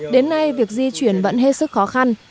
đến nay việc di chuyển vẫn hết sức khó khăn